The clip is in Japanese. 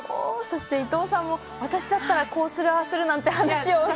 そして、伊藤さんも私だったらこうする、ああするなんて話を。